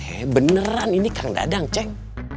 eh beneran ini kang dadang ceng